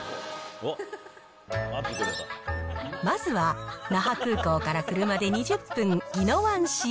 まずは那覇空港から車で２０分、宜野湾市へ。